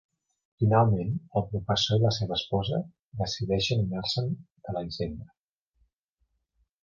Finalment, el professor i la seva esposa decideixen anar-se'n de la hisenda.